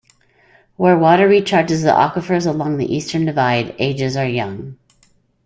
Where water recharges the aquifers along the Eastern Divide, ages are young.